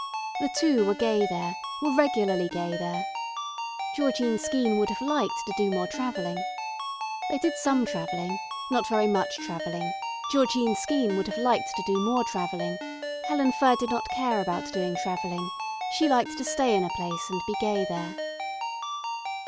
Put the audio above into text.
The two were gay there, were regularly gay there. Georgine Skeene would have liked to do more travelling. They did some travelling, not very much travelling, Georgine Skeene would have liked to do more travelling, Helen Furr did not care about doing travelling, she liked to stay in a place and be gay there.